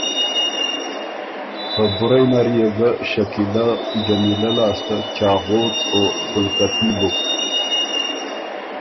خبُرئ نر يې ګۀ شکیلۀ جمیلۀ لاسته چاغوت او خُلکتي بُک۔